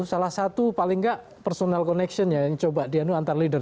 salah satu paling nggak personal connection nya yang coba diantar leader